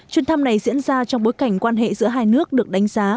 chuyến thăm này diễn ra trong bối cảnh quan hệ giữa hai nước được đánh giá